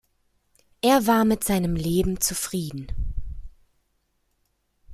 Er war mit seinem Leben zufrieden.